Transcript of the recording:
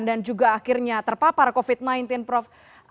dan juga akhirnya terpapar covid sembilan belas prof